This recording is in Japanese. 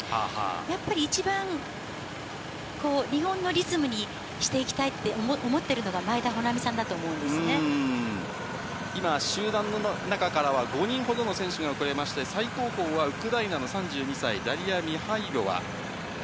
やっぱり一番、日本のリズムにしていきたいって思ってるのが前田穂南さんだと思今、集団の中からは、５人ほどの選手が遅れまして、最後方はウクライナの３２歳、ダリヤ・ミハイロワ。